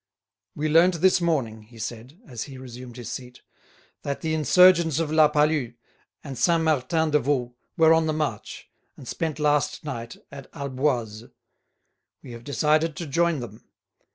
"We learnt this morning," he said, as he resumed his seat, "that the insurgents of La Palud and Saint Martin de Vaulx were on the march, and spent last night at Alboise. We have decided to join them.